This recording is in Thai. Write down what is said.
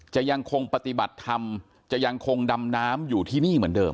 จะยังคงปฏิบัติธรรมจะยังคงดำน้ำอยู่ที่นี่เหมือนเดิม